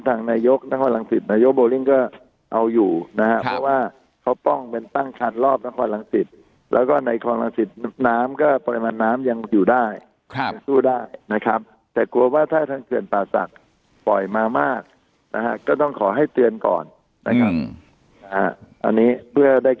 ทางนายกนังไว้ลังสิทธิ์และนายกโบริงนะครับ